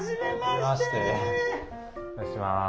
お願いします。